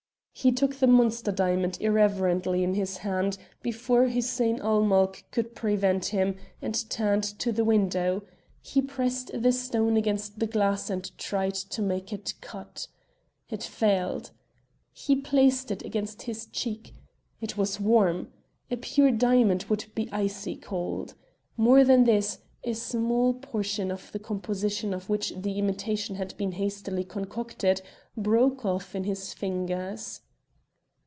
He took the monster diamond irreverently in his hand before Hussein ul Mulk could prevent him and turned to the window. He pressed the stone against the glass and tried to make it cut. It failed. He placed it against his cheek. It was warm. A pure diamond would be icy cold. More than this, a small portion of the composition of which the imitation had been hastily concocted, broke off in his fingers.